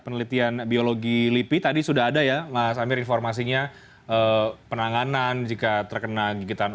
penelitian biologi lipi tadi sudah ada ya mas amir informasinya penanganan jika terkena gigitan